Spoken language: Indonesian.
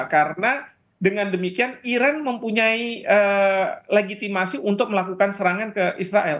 karena dengan demikian iran mempunyai legitimasi untuk melakukan serangan ke israel